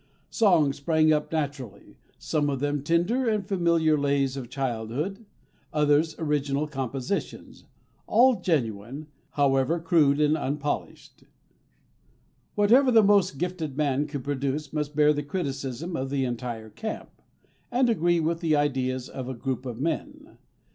Songs sprang up naturally, some of them tender and familiar lays of childhood, others original compositions, all genuine, however crude and unpolished. Whatever the most gifted man could produce must bear the criticism of the entire camp, and agree with the ideas of a group of men.